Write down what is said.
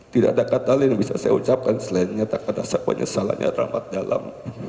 tidak ada kata lain yang bisa saya ucapkan selain nyata kata saya penyesalannya ramad dalam